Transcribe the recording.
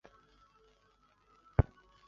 范正在其子年幼时已经身故。